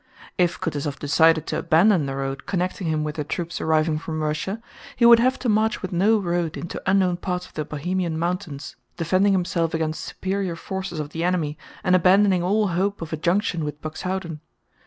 If Kutúzov decided to abandon the road connecting him with the troops arriving from Russia, he would have to march with no road into unknown parts of the Bohemian mountains, defending himself against superior forces of the enemy and abandoning all hope of a junction with Buxhöwden.